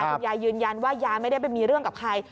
คุณยายยืนยันว่ายายไม่ได้ไปมีเรื่องกับใคร